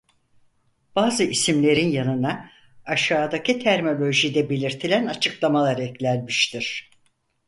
Bazı isimlerin yanına aşağıdaki terminolojide belirtilen açıklamalar eklenmiştir.